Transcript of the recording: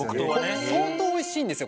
相当美味しいんですよ